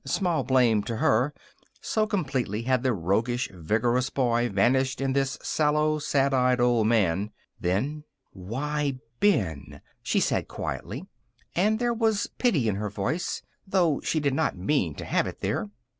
Small blame to her, so completely had the roguish, vigorous boy vanished in this sallow, sad eyed old man. Then: "Why, Ben!" she said quietly. And there was pity in her voice, though she did not mean to have it there.